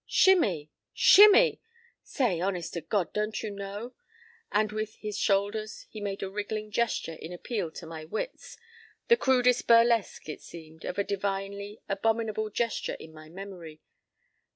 p> "Shimmie! Shimmie! Say, honest to God, don't you know—?" And with his shoulders he made a wriggling gesture in appeal to my wits, the crudest burlesque, it seemed, of a divinely abominable gesture in my memory.